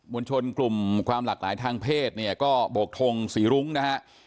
วลชนกลุ่มความหลากหลายทางเพศเนี่ยก็โบกทงสีรุ้งนะฮะ